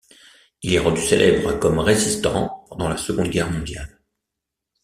Il est rendu célèbre comme résistant pendant la Seconde Guerre mondiale.